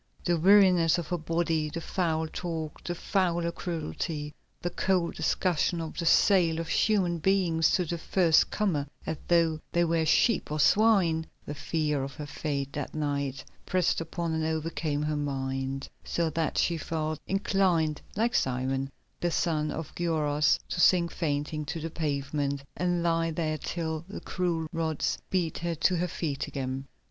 The weariness of her body, the foul talk, the fouler cruelty, the cold discussion of the sale of human beings to the first comer as though they were sheep or swine, the fear of her fate that night, pressed upon and overcame her mind, so that she felt inclined, like Simon, the son of Gioras, to sink fainting to the pavement and lie there till the cruel rods beat her to her feet again.